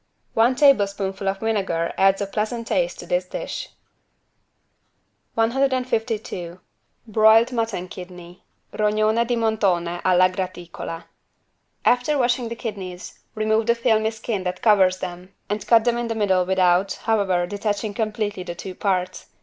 One tablespoonful of vinegar adds a pleasant taste to this dish. 152 BROILED MUTTON KIDNEY (Rognone di montone alla graticola) After washing the kidneys, remove the filmy skin that covers them and cut them in the middle without, however, detaching completely the two parts.